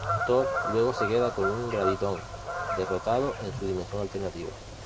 Thor luego se queda con un Gravitón derrotado en una dimensión alternativa.